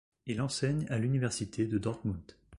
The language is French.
Il enseigne à l'Université de Dortmund.